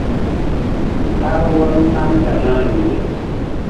Har walu na naan ka nanrigir.